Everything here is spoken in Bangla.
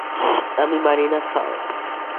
আমি মানি না, স্যার।